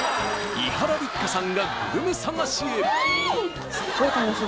伊原六花さんがグルメ探しへうん！